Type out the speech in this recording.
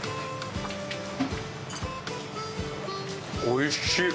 おいしい！